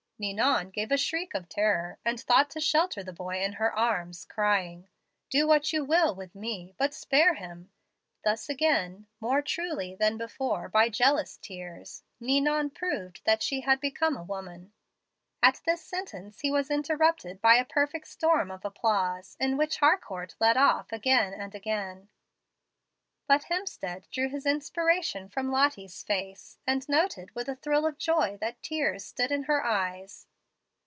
Ninon gave a shriek of terror, and sought to shelter the boy in her arms, crying,'Do what you will with me, but spare him.' Thus again, more truly than before by jealous tears, Ninon proved that she had become a woman." At this sentence he was interrupted by a perfect storm of applause, in which Harcourt led off again and again. But Hemstead drew his inspiration from Lottie's face, and noted with a thrill of joy that tears stood in her eyes.